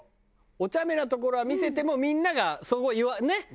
おちゃめなところは見せてもみんながそうねっ。